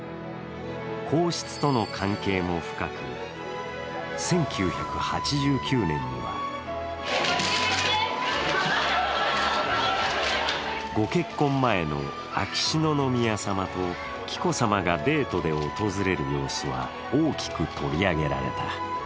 皇室との関係も深く１９８９年にはご結婚前の秋篠宮さまと紀子さまがデートで訪れる様子は大きく取り上げられた。